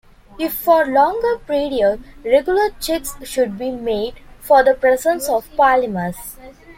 If for longer periods, regular checks should be made for the presence of polymers.